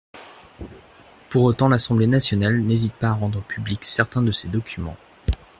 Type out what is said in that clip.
Pour autant, l’Assemblée nationale n’hésite pas à rendre publics certains de ses documents.